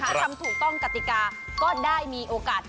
ถ้าทำถูกต้องกติกาก็ได้มีโอกาส